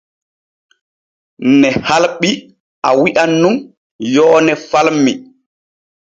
Ne halɓi a wi’an nun yoone falmi.